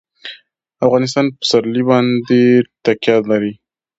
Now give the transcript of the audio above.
افغانستان په پسرلی باندې تکیه لري.